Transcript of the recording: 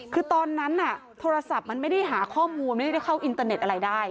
คือตอนนั้นโทรศัพท์มันไม่ได้หาข้อมูลไม่ได้เข้าอินเตอร์เน็ตอะไรได้